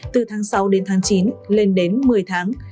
từ tháng sáu đến tháng chín lên đến một mươi tháng